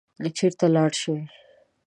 چېرته لاړ شي.